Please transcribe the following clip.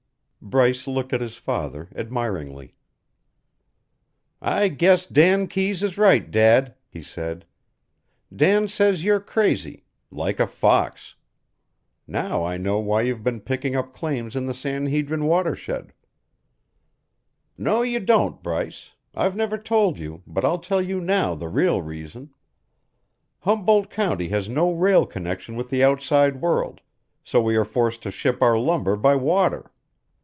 Bryce looked at his father admiringly. "I guess Dan Keyes is right, Dad," he said. "Dan says you're crazy like a fox. Now I know why you've been picking up claims in the San Hedrin watershed." "No, you don't, Bryce. I've never told you, but I'll tell you now the real reason. Humboldt County has no rail connection with the outside world, so we are forced to ship our lumber by water.